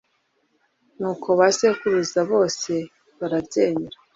Nuko ba sekuruza bose barabyemera